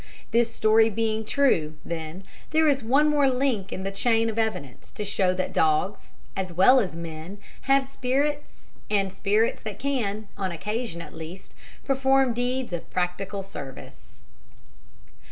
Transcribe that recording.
This story being true, then, there is one more link in the chain of evidence to show that dogs, as well as men, have spirits, and spirits that can, on occasion, at least, perform deeds of practical service.